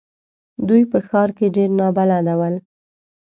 دوی په ښار کې ډېر نابلده ول.